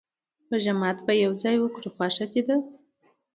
روژه ماته به يو ځای وکرو، خوښه دې ده؟